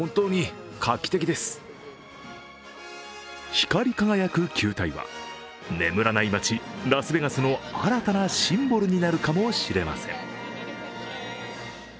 光り輝く球体は、眠らない街ラスベガスの新たなシンボルになるかもしれません。